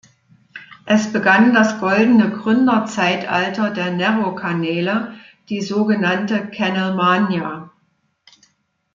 Es begann das goldene Gründer-Zeitalter der Narrow Kanäle, die sogenannte "Canal Mania".